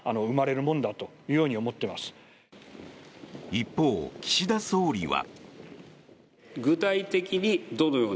一方、岸田総理は。